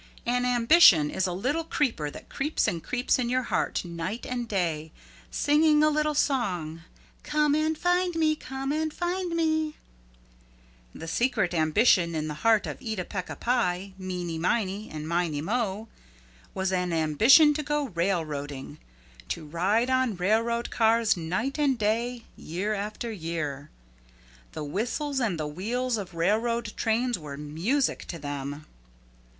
An ambition is a little creeper that creeps and creeps in your heart night and day, singing a little song, "Come and find me, come and find me." The secret ambition in the heart of Eeta Peeca Pie, Meeney Miney, and Miney Mo was an ambition to go railroading, to ride on railroad cars night and day, year after year. The whistles and the wheels of railroad trains were music to them.